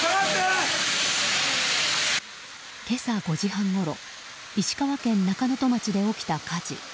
今朝５時半ごろ石川県中能登町で起きた火事。